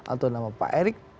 atau nama pak erik